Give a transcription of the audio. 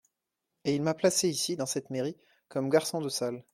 Et il m’a placé ici, dans cette mairie, comme garçon de salle.